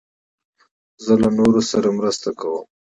زه له نورو سره مرسته کوم.